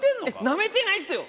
なめてないっすよ！